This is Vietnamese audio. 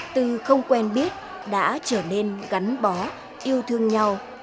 từ không quen biết đã trở nên gắn bó yêu thương nhau